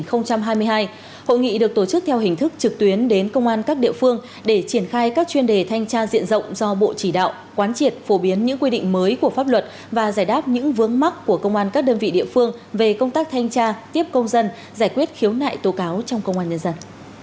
năm hai nghìn hai mươi hai hội nghị được tổ chức theo hình thức trực tuyến đến công an các địa phương để triển khai các chuyên đề thanh tra diện rộng do bộ chỉ đạo quán triệt phổ biến những quy định mới của pháp luật và giải đáp những vướng mắt của công an các đơn vị địa phương về công tác thanh tra tiếp công dân giải quyết khiếu nại tố cáo trong công an nhân dân